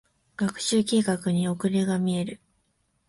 学習計画に遅れが見える。